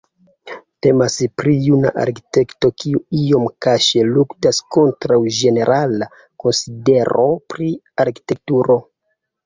Temas pri juna arkitekto kiu iom kaŝe luktas kontraŭ ĝenerala konsidero pri arkitekturo.